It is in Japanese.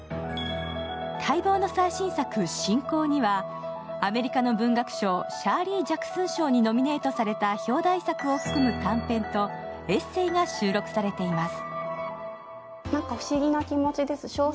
待望の最新作「信仰」にはアメリカの文学賞シャーリィ・ジャクスン賞にノミネートされた表題作を含む短編とエッセイが収録されています。